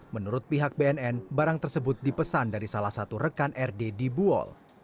menurut pihak bnn barang tersebut dipesan dari salah satu rekan rd di buol